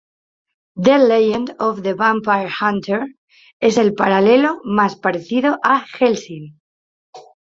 The Legend Of The Vampire Hunter es el paralelo más parecido a Hellsing.